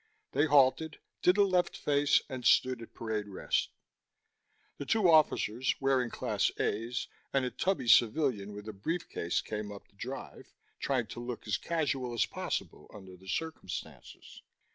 They halted, did a left face, and stood at parade rest. The two officers, wearing class A's, and a tubby civilian with a brief case came up the drive, trying to look as casual as possible under the circumstances.